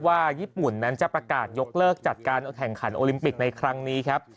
ว่าญี่ปุ่นนั้นจะประกาศยกเลิกจัดการแข่งขันโอลิมปิกในครั้งนี้ครับ